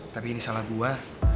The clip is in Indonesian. tapi ini salah gue